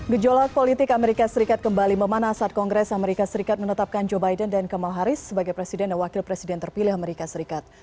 gejolak politik amerika serikat kembali memanas saat kongres amerika serikat menetapkan joe biden dan kamala harris sebagai presiden dan wakil presiden terpilih amerika serikat